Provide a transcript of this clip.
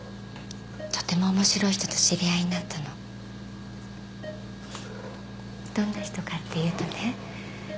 とてもおもしろい人と知り合いになったのどんな人かっていうとね